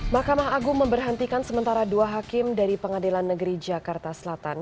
mahkamah agung memberhentikan sementara dua hakim dari pengadilan negeri jakarta selatan